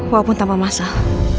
walaupun tanpa masalah